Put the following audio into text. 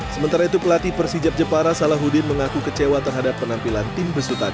sementara itu pelatih persijab jepara salahuddin mengaku kecewa terhadap penampilan tim besutan